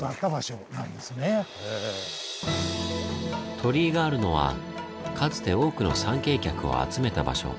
鳥居があるのはかつて多くの参詣客を集めた場所。